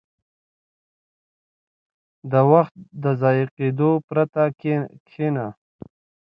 • د وخت د ضایع کېدو پرته کښېنه.